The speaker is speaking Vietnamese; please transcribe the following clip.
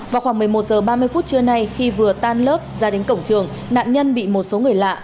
vào khoảng một mươi một h ba mươi phút trưa nay khi vừa tan lớp ra đến cổng trường nạn nhân bị một số người lạ